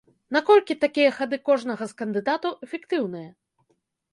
Наколькі такія хады кожнага з кандыдатаў эфектыўныя?